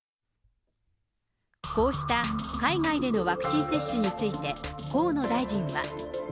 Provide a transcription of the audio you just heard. こうした海外でのワクチン接種について、河野大臣は。